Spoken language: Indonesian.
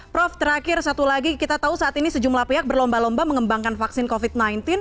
prof terakhir satu lagi kita tahu saat ini sejumlah pihak berlomba lomba mengembangkan vaksin covid sembilan belas